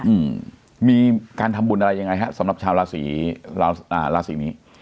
อืมมีการทำบุญอะไรยังไงฮะสำหรับชาวราศีอ่าราศีนี้